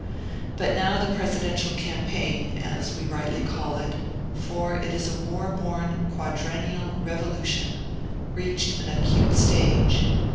But now the presidential campaign — as we rightly caU it, for it is a war born quadrennial revolution — reached an acute stage.